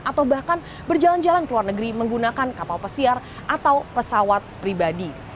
atau bahkan berjalan jalan ke luar negeri menggunakan kapal pesiar atau pesawat pribadi